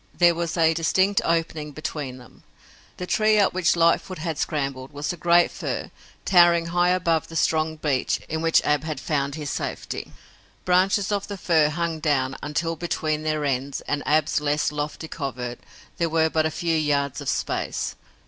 There was a distinct opening between them. The tree up which Lightfoot had scrambled was a great fir towering high above the strong beech in which Ab had found his safety. Branches of the fir hung down until between their ends and Ab's less lofty covert there were but a few yards of space.